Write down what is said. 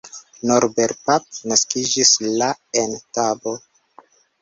Norbert Pap naskiĝis la en Tab.